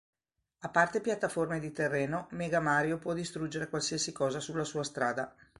A parte piattaforme di terreno, Mega Mario può distruggere qualsiasi cosa sulla sua strada.